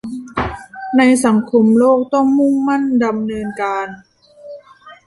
ในสังคมโลกต้องมุ่งมั่นดำเนินการ